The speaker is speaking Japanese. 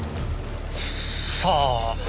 さあ？